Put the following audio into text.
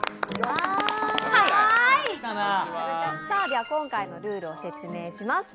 では、今回のルールを説明します。